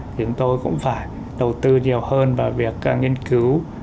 thì chúng tôi cũng phải đầu tư nhiều hơn vào việc nghiên cứu